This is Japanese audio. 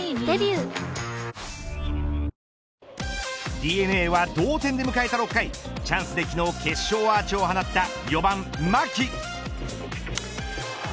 ＤｅＮＡは同点で迎えた６回チャンスで、昨日決勝アーチを放った４番牧。